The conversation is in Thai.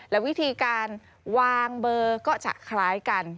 และวิธีการวางเบอร์ก็จะคล้ายกัน